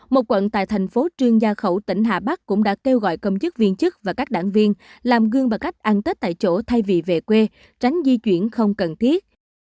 một quận tại thành phố trương gia khẩu tỉnh hà bắc cũng đã kêu gọi công chức viên chức và các đảng viên làm gương bằng cách ăn tết tại chỗ thay vì về quê tránh di chuyển không cần thiết